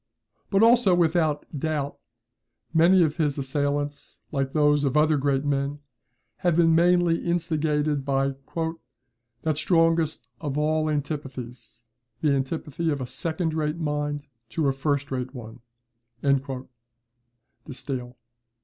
But also, without doubt, many of his assailants, like those of other great men, have been mainly instigated by "that strongest of all antipathies, the antipathy of a second rate mind to a first rate one," [De Stael.